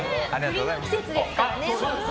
栗の季節ですからね。